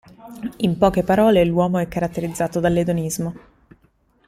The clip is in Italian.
In poche parole l'uomo è caratterizzato dall'edonismo.